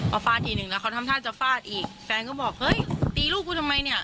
เอาฟาดทีนึงแล้วเขาทำท่าจะฟาดอีกแฟนก็บอกเฮ้ยตีลูกกูทำไมเนี่ย